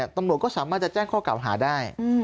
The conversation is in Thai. ตำรวจก็สามารถจะแจ้งข้อเก่าหาได้